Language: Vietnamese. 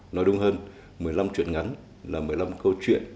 nói đúng hơn một mươi năm chuyện ngắn là một mươi năm câu chuyện